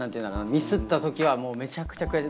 ミスったときはもうめちゃくちゃ悔しい。